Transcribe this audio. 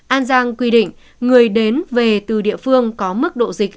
an giang quy định người đến về từ địa phương có mức độ dịch